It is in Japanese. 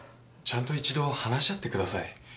ちゃんと一度話し合ってください。